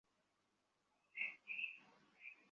এটা একটা কঠিন সার্জারি, এমনকি সেরা ডাক্তারদের কাছেও।